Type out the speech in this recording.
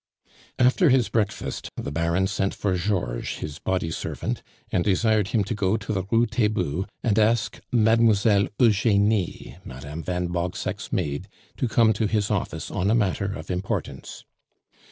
After his breakfast, the Baron sent for Georges, his body servant, and desired him to go to the Rue Taitbout and ask Mademoiselle Eugenie, Madame van Bogseck's maid, to come to his office on a matter of importance.